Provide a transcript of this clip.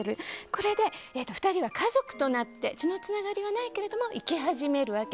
これで２人は家族となって血のつながりはないわけですが生き始める。